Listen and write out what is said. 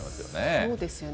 そうですよね。